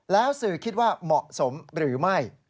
แล้วสื่อคิดว่าเหมาะสมหรือไม่